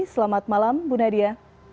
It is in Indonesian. selamat malam bu nadia